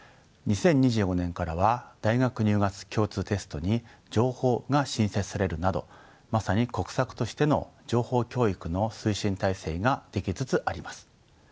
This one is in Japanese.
２０２５年からは大学入学共通テストに情報が新設されるなどまさに国策としての情報教育の推進体制が出来つつあります。